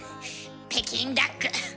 北京ダック。